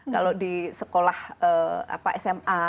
kalau di sekolah sma